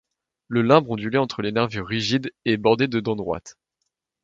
Le limbe, ondulé entre les nervures rigides, est bordé de dents droites.